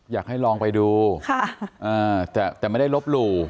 อยากให้ลองไปดูแต่ไม่ได้ลบหลู่